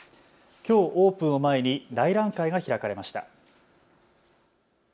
きょうオープンを前に内覧会が開かれました。